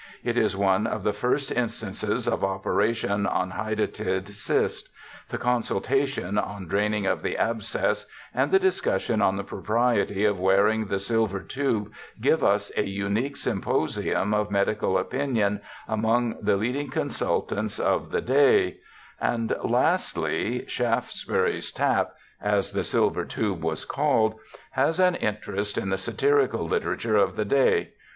It is one of the first instances of operation on hydatid cyst ; the consultation on draining of the abscess and the discussion on the propriety of wearing the silver tube give us a unique symposium of medical opinion among the leading consultants of the day, and, lastly, Shaftesbury's tap — as the silver tube was called — has an interest in the satirical literature of the day.